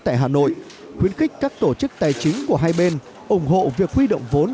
tại hà nội khuyến khích các tổ chức tài chính của hai bên ủng hộ việc huy động vốn